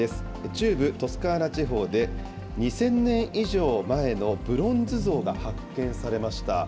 中部トスカーナ地方で、２０００年以上前のブロンズ像が発見されました。